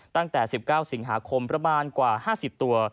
ตั้งแต่๑๙สิงหาคมประมาณกว่า๕๐ตัว